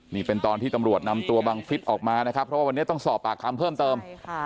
นี่เป็นตอนที่ตำรวจนำตัวบังฟิศออกมานะครับเพราะว่าวันนี้ต้องสอบปากคำเพิ่มเติม